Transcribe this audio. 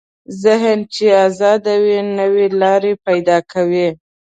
ذهن چې ازاد وي، نوې لارې پیدا کوي.